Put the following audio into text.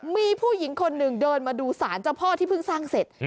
มีผู้หญิงคนหนึ่งเดินมาดูสารเจ้าพ่อที่เพิ่งสร้างเสร็จ